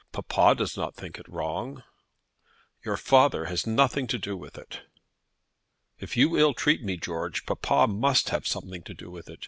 Papa does not think it wrong?" "Your father has nothing to do with it." "If you ill treat me, George, papa must have something to do with it.